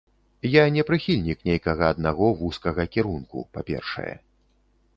Я не прыхільнік нейкага аднаго вузкага кірунку, па-першае.